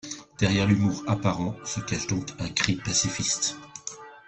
Derrière l'humour apparent se cache donc un cri pacifiste.